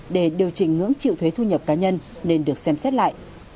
để điều chỉnh ngưỡng chịu thuế thu nhập cá nhân nên được xem xét lại